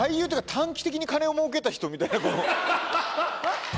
短期的に金をもうけた人みたい。